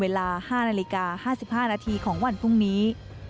เวลา๕นาฬิกา๕๕นาทีของวันพรุ่งนี้